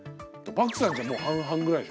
バクさんちはもう半々ぐらい。